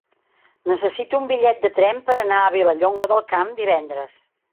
Necessito un bitllet de tren per anar a Vilallonga del Camp divendres.